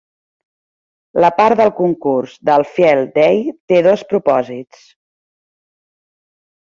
La part del concurs del Field Day té dos propòsits.